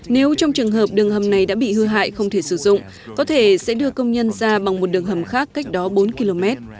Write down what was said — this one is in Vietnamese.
nếu trong trường hợp đường hầm này đã bị hư hại không thể sử dụng có thể sẽ đưa công nhân ra bằng một đường hầm khác cách đó bốn km